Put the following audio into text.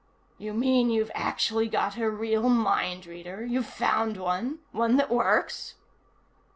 "You mean you've actually got a real mind reader? You've found one? One that works?"